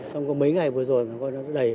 không có mấy ngày vừa rồi mà nó đầy như thế này